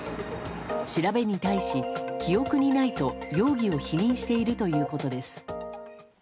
調べに対し記憶にないと容疑を否認しているということです。